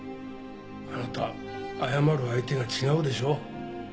あなた謝る相手が違うでしょ？